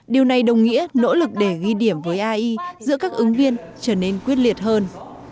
điều này đồng nghĩa nỗ lực để ghi điểm với ai giữa các ứng viên trở nên quyết liệt hơn